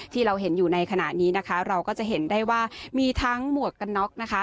ที่เราเห็นอยู่ในขณะนี้นะคะเราก็จะเห็นได้ว่ามีทั้งหมวกกันน็อกนะคะ